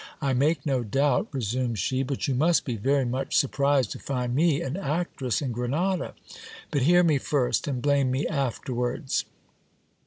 I make no doubt, resumed she, but you must be very much surprised to find me an actress in Grenada ; but hear me first and blame me afterwards.